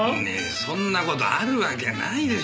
そんな事あるわけないでしょ。